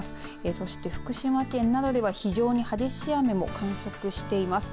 そして福島県などでは非常に激しい雨も観測しています。